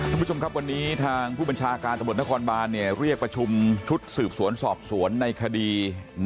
คุณผู้ชมครับวันนี้ผู้บัญชาการบริษัทบริษัทนครบานเรียกประชุมทุศืบสวนสอบสวนในคดีในเอม